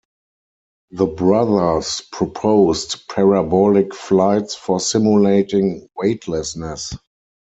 The brothers proposed parabolic flights for simulating weightlessness.